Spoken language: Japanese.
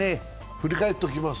振り返っておきます